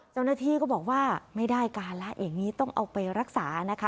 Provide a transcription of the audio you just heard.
เจ้าหน้าที่ก็บอกว่าไม่ได้การแล้วอย่างนี้ต้องเอาไปรักษานะคะ